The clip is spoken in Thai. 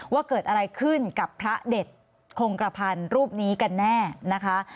ว่าเกิดอะไรขึ้นกับพระเด็ดคงกระพันธ์รูปนี้กันแน่นะคะ